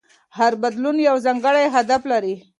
هر بدلون یو ځانګړی هدف لري.